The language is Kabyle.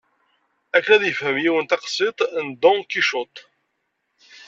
Akken ad yefhem yiwen taqsiṭ n Don Kicuṭ.